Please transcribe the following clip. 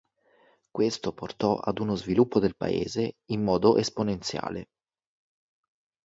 Questo portò ad uno sviluppo del paese in modo esponenziale.